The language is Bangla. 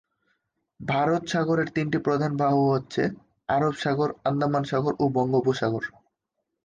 ভারত সাগরের তিনটি প্রধান বাহু হচ্ছে: আরব সাগর, আন্দামান সাগর ও বঙ্গোপসাগর।